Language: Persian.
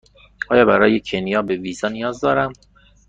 آیا برای کنیا به ویزا نیاز دارم؟